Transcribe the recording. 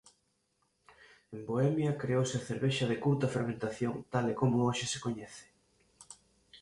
En Bohemia creouse a cervexa de curta fermentación tal e como hoxe se coñece.